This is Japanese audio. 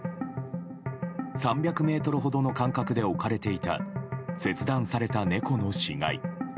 ３００ｍほどの間隔で置かれていた切断された猫の死骸。